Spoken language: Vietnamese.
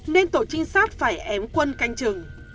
nên tổ trinh sát phải ém quân canh chừng